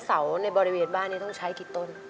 เสาในบริเวณบ้านนี้ต้องใช้กี่ต้น